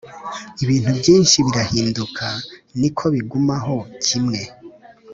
ibintu byinshi birahinduka, niko bigumaho kimwe